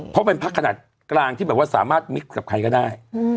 เพราะเป็นพักขนาดกลางที่แบบว่าสามารถมิกกับใครก็ได้